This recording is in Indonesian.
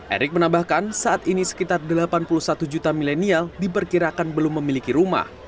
erick menambahkan saat ini sekitar delapan puluh satu juta milenial diperkirakan belum memiliki rumah